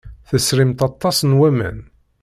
Tesrimt aṭas n waman.